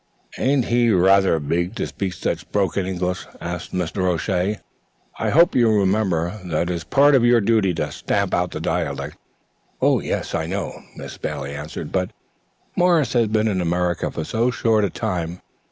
"Ain't he rather big to speak such broken English?" asked Mr. O'Shea. "I hope you remember that it is part of your duty to stamp out the dialect." "Yes, I know," Miss Bailey answered. "But Morris has been in America for so short a time.